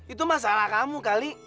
itu masalah kamu kali